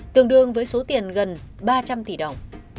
tương đương với số tiền gần ba trăm linh tỷ đồng